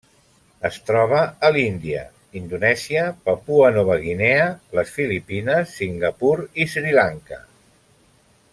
Es troba a l'Índia, Indonèsia, Papua Nova Guinea, les Filipines, Singapur i Sri Lanka.